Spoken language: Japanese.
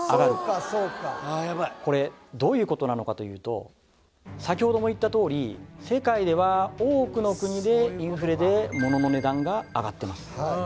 これどういうことなのかというと先ほども言ったとおり世界では多くの国でインフレでモノの値段が上がってます